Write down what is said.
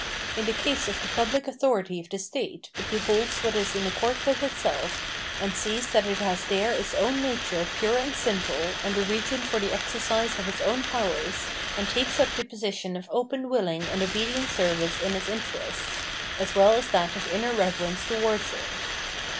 In the case of the pubhc authority of the state, it beholds what is in accord with itself, and sees that it has there its own nature pure and simple and the region for the exercise of its own powers, and takes up the position of open willing and obedient service in its interests, as well as that of inner reverence towards it.